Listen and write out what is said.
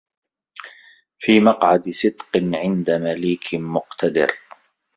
في مَقعَدِ صِدقٍ عِندَ مَليكٍ مُقتَدِرٍ